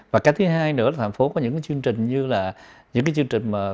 và cái thứ hai nữa là thành phố có những cái chương trình như là những cái chương trình